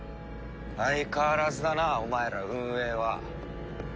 相変わらずだなお前ら運営は。